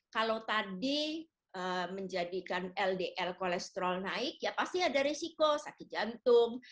kalau tadi menjadikan ldl kolesterol naik ya pasti ada risiko sakit jantung